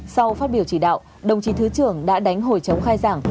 sau phát biểu chỉ đạo đồng chí thứ trưởng đã đánh hồi chống khai giảng